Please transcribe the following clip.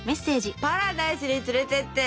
「パラダイスに連れてって」。